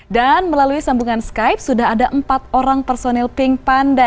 dan melalui sambungan skype sudah ada empat orang personil pink panda